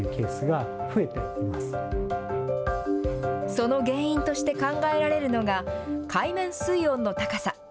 その原因として考えられるのが、海面水温の高さ。